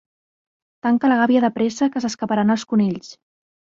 Tanca la gàbia de pressa que s'escaparan els conills.